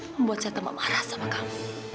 membuat saya tambah marah sama kamu